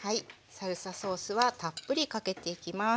サルサソースはたっぷりかけていきます。